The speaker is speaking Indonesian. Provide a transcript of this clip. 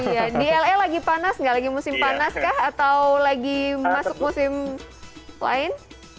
iya di la lagi panas nggak lagi musim panas kah atau lagi masuk musim lain